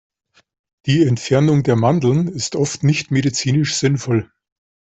Die Entfernung der Mandeln ist oft nicht medizinisch sinnvoll.